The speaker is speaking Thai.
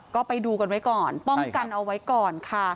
ก็ไปดูกันไว้ก่อนป้องกันเอาไว้ก่อนค่ะ